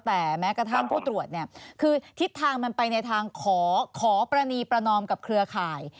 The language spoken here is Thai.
แต่แม้กระทั่งผู้ตรวจเนี่ยคือทิศทางมันไปในทางขอปรณีประนอมกับเครือข่าย